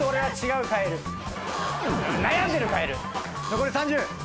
残り３０！